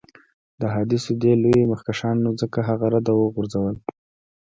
د احادیثو دې لویو مخکښانو ځکه هغه رد او وغورځول.